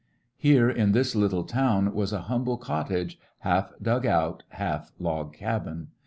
Here in this little town was a hnmble cot A frontier tage, half dng ont, half log cabin.